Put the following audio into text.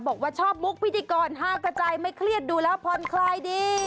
บอกว่าชอบมุกพิธีกรห้ากระจายไม่เครียดดูแล้วผ่อนคลายดี